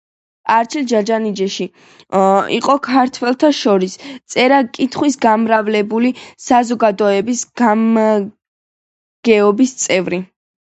არჩილ ჯაჯანაშვილი იყო ქართველთა შორის წერა-კითხვის გამავრცელებელი საზოგადოების გამგეობის წევრი.